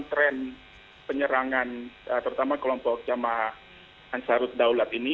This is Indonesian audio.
tren penyerangan terutama kelompok jamaah ansarut daulat ini